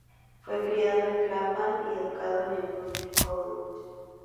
Fue criado en Clapham y educado en el Dulwich College.